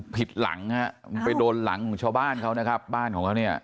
ผิดหลังฮะไปโดนหลังของชาวบ้านเขานะครับบ้านของเขาเนี่ย